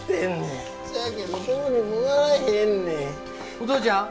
お父ちゃん？